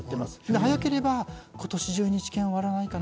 早ければ今年中に治験が終わらないかな。